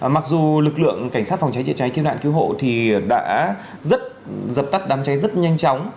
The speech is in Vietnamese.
mặc dù lực lượng cảnh sát phòng cháy chế cháy kiếm đạn cứu hộ thì đã rất dập tắt đám cháy rất nhanh chóng